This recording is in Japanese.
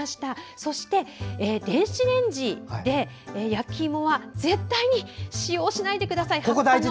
そして、電子レンジで焼きいもは絶対に使用しないでください。